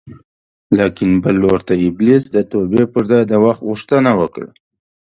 لاکن بل لور ته ابلیس د توبې په ځای د وخت غوښتنه وکړه